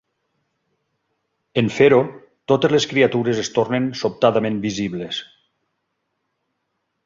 En fer-ho, totes les criatures es tornen sobtadament visibles.